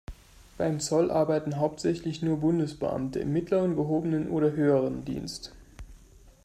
Beim Zoll arbeiten hauptsächlich nur Bundesbeamte im mittleren, gehobenen oder höheren Dienst.